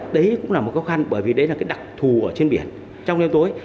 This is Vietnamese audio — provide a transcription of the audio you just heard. đấy cũng là một khó khăn bởi vì đấy là cái đặc thù ở trên biển trong đêm tối